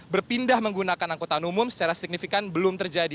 berpindah menggunakan angkutan umum secara signifikan belum terjadi